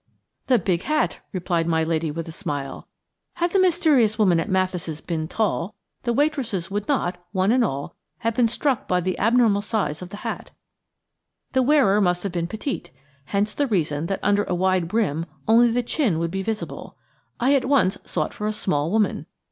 "The big hat," replied my dear lady with a smile. "Had the mysterious woman at Mathis' been tall, the waitresses would not, one and all, have been struck by the abnormal size of the hat. The wearer must have been petite, hence the reason that under a wide brim only the chin would be visible. I at once sought for a small woman.